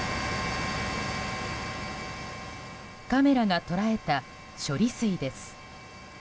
カメラが捉えた処理水です。